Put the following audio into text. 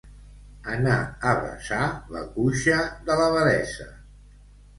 Anar a besar la cuixa de l'abadessa.